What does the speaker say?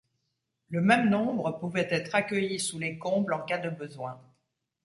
Le même nombre pouvait être accueilli sous les combles en cas de besoin.